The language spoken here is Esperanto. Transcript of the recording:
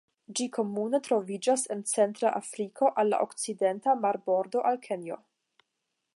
Ĝi komune troviĝas en Centra Afriko el la okcidenta marbordo al Kenjo.